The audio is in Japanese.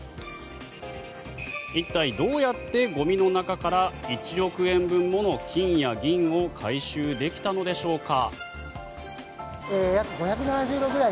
一体、どうやってゴミの中から１億円分もの金や銀を回収できたのでしょうか。